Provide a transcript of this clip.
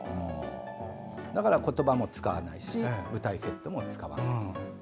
だから、言葉も使わないし舞台セットも使わない。